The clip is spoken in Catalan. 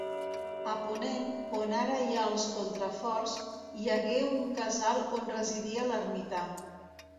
A ponent, on ara hi ha els contraforts, hi hagué un casal on residia l'ermità.